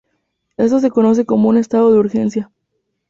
Esto se conoce como un estado de urgencia.